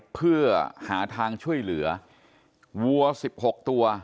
เพื่อหาทางช่วยเหลือวัว๑๖ตัว